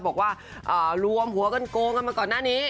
บอกว่ารวมหัวกันโกงกันมาก่อนหน้านี้